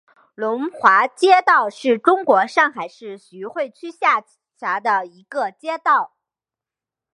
龙华街道是中国上海市徐汇区下辖的一个街道。